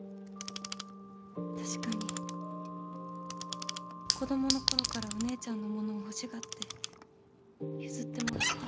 確かに子どもの頃からお姉ちゃんの物を欲しがって譲ってもらった。